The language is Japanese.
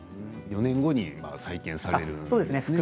４年後に再建されるんですよね。